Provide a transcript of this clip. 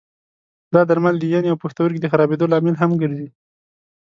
دا درمل د ینې او پښتورګي د خرابېدو لامل هم ګرځي.